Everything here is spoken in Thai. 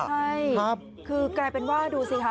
ใช่คือกลายเป็นว่าดูสิค่ะ